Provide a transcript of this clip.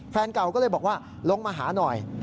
แฟนเก่าก็เลยบอกว่าลงมาหาหน่อย